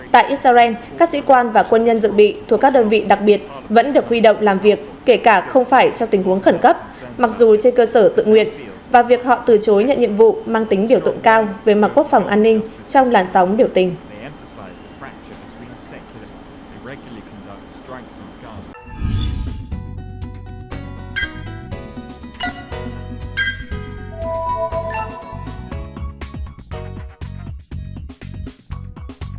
tại israel các dĩ quan và quân nhân dự bị thuộc các đơn vị đặc biệt vẫn được huy động làm việc kể cả không phải trong tình huống khẩn cấp mặc dù trên cơ sở tự nguyện và việc họ từ chối nhận nhiệm vụ mang tính biểu tượng cao về mặt quốc phòng an ninh trong làn sóng biểu tình